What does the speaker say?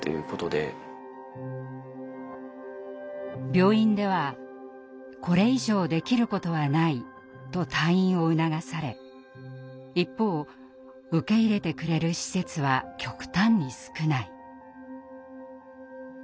病院では「これ以上できることはない」と退院を促され一方受け入れてくれる施設は極端に少ない。